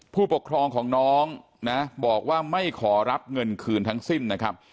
ผู้ปกครองของน้องนะบอกว่าไม่ขอรับเงินคืนทั้งสิ้นนะครับ